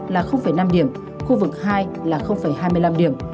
là năm điểm khu vực hai là hai mươi năm điểm